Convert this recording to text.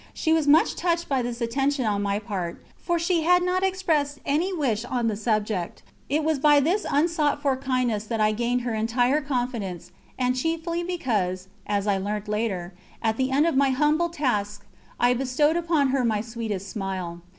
She was much touched by this attention on my part, for she had not expressed any wish on the subject; it was by this unsought for kindness that I gained her entire confidence, and chiefly because as I learnt later at the end of my humble task I bestowed upon her my sweetest smile.